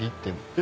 え！